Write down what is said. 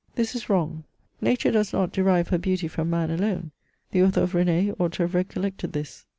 This is wrong. Nature does not derive her beauty from man alone ; the author of RAi^ ought to have recollected this.